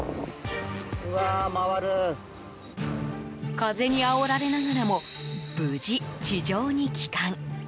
風にあおられながらも無事、地上に帰還。